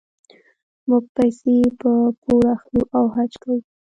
موږ پیسې په پور اخلو او حج کوو.